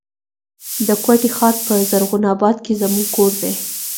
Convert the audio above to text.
د کوټي ښار په زرغون آباد کي زموږ کور دی.